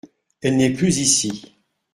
Elle n’est plus ici…